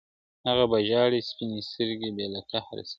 هغه به ژاړې سپينې سترگي بې له قهره سرې وي~